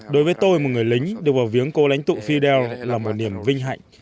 đối với tôi một người lính được vào viếng cố lãnh tụ fidel là một niềm vinh hạnh